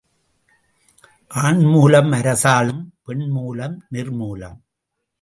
ஆண் மூலம் அரசாளும் பெண் மூலம் நிர்மூலம்.